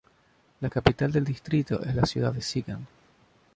La capital del distrito es la ciudad de Siegen.